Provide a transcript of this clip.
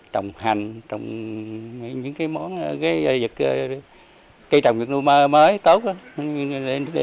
trồng hành trồng những cái món cây trồng vật nuôi mới tốt